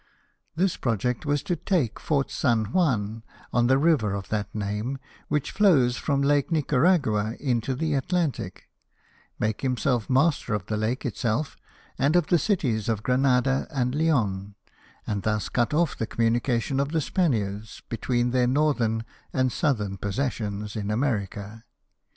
This project was to take Fort San Juan, on the river of that name, which flows from Lake Nicaragua into the Atlantic ; make himself master of the lake itself, and of the cities of Granada and Leon ; and thus cut off the communication of the Spaniards between their northern and southern possessions in America.